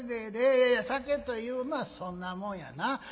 いやいや酒というのはそんなもんやな。